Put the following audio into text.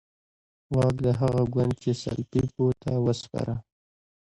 واک د هغه ګوند چې سلپيپ وو ته وسپاره.